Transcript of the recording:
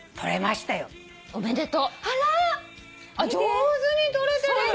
上手に撮れてる！